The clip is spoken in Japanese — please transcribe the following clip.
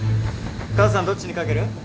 母さんどっちに賭ける？